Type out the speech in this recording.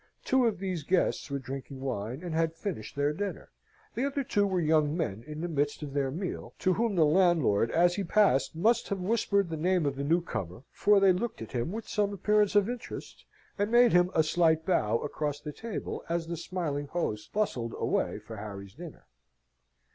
Two of these guests were drinking wine, and had finished their dinner: the other two were young men in the midst of their meal, to whom the landlord, as he passed, must have whispered the name of the new comer, for they looked at him with some appearance of interest, and made him a slight bow across the table as the smiling host bustled away for Harry's dinner.